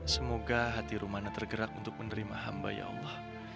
semoga hati rumana tergerak untuk menerima hamba ya allah